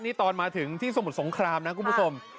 นี่ตอนมาถึงที่สมุทรสงครามนะคุณผู้ชม